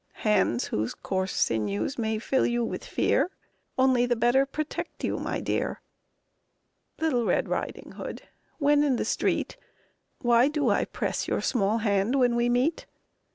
Hands whose coarse sinews may fill you with fear Only the better protect you, my dear! Little Red Riding Hood, when in the street, Why do I press your small hand when we meet?